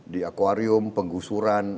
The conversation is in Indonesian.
di akwarium penggusuran